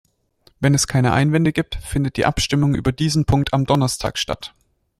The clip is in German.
Wenn es keine Einwände gibt, findet die Abstimmung über diesen Punkt am Donnerstag statt.